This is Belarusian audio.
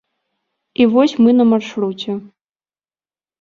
І вось мы на маршруце.